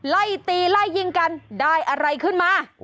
ไล่ตีไล่ยิงกันได้อะไรขึ้นมา